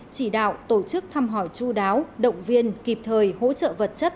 chỉ đạo tổ chức thăm hỏi chú đáo động viên kịp thời hỗ trợ vật chất